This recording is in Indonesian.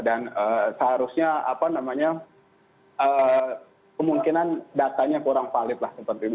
dan seharusnya apa namanya kemungkinan datanya kurang valid lah seperti itu